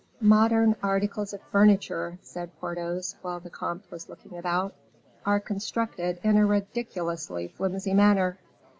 "Modern articles of furniture," said Porthos, while the comte was looking about, "are constructed in a ridiculously flimsy manner.